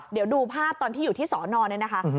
เดี๋ยวดูภาพตอนที่อยู่ที่สอนอนเนี่ยนะคะ